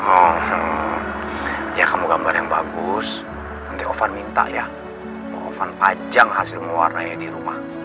oh ya kamu gambar yang bagus nanti ovan minta ya mau ovan pajang hasilnya warnai di rumah